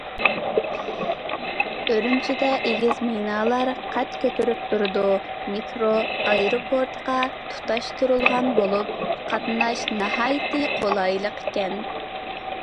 ئۈرۈمچىدە ئېگىز بىنالار قەد كۆتۈرۈپ تۇرىدۇ، مېترو ئايروپورتقا تۇتاشتۇرۇلغان بولۇپ، قاتناش ناھايىتى قولايلىق ئىكەن.